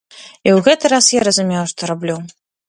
І ў гэты раз я разумеў, што раблю.